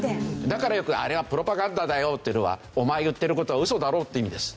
だからよく「あれはプロパガンダだよ」っていうのは「お前言ってる事はウソだろう」っていう意味です。